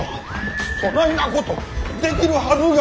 そないなことできるはずが。